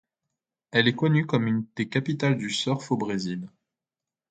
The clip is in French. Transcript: Elle est connue comme une des capitales du surf au Brésil.